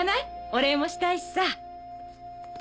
お礼もしたいしさ。